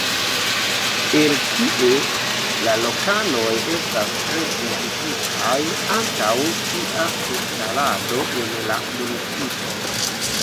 El tie la lokanoj estas tre dividitaj antaŭ tia instalado en la municipo.